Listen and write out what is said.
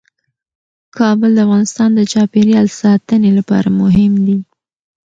کابل د افغانستان د چاپیریال ساتنې لپاره مهم دي.